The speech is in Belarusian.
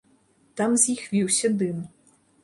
Там з іх віўся дым.